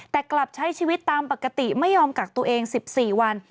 แต่กลับใช้ชีวิตตามปกติไม่ยอมกักตัวเอง๑๔วัน